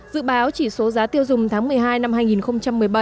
dự báo chỉ số giá tiêu dùng tháng một mươi hai năm hai nghìn một mươi bảy